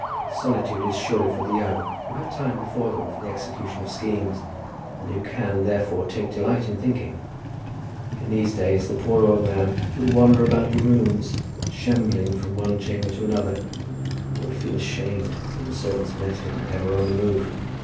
Solitude is surely for the young, who have time before them for the execution of schemes, and who can, therefore, take delight in thinking. In these days the poor old man would wander about the rooms, shambling from one chamber to another, and would feel ashamed when the servants met him ever on the move.